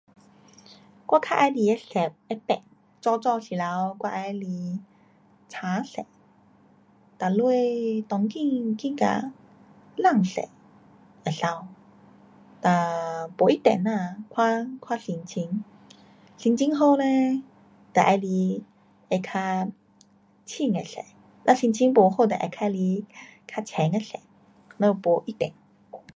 我较喜欢的色会变，早早时头我会喜欢青色，哒下当今觉得蓝色会美，哒不一定呐，看，看心情，心情好嘞就喜欢会较深的色，若心情不好就会较喜欢较浅的色。呐没一定。